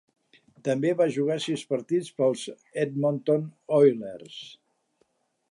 També va jugar sis partits per als Edmonton Oilers.